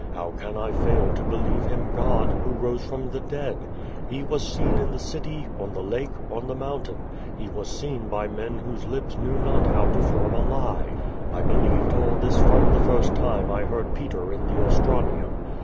How can I fail to believe Him God, who rose from the dead? He was seen in the city, on the lake, on the mountain. He was seen by men whose lips knew not how to form a lie. I believed all this from tlio first time I heard Peter in the Ostranium.